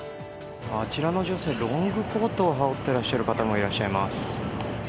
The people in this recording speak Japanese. あちらの女性、ロングコートを羽織っていらっしゃる方もいます。